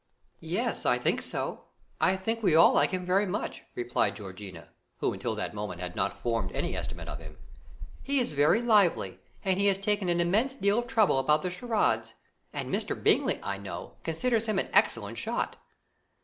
"Yes, I think so I think we all like him very much," replied Georgiana, who until that moment had not formed any estimate of him. "He is very lively and he has taken an immense deal of trouble about the charades and Mr. Bingley, I know, considers him an excellent shot."